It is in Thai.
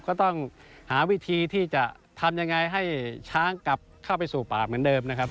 ก็ต้องหาวิธีที่จะทำยังไงให้ช้างกลับเข้าไปสู่ปากเหมือนเดิมนะครับ